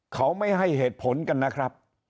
เขาไม่ให้เหตุผลกันนะครับ